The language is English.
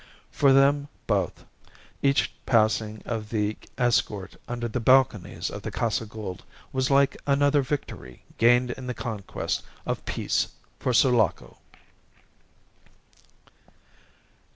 For them both, each passing of the escort under the balconies of the Casa Gould was like another victory gained in the conquest of peace for Sulaco.